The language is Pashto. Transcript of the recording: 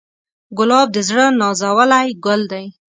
ګلاب د زړه نازولی ګل دی.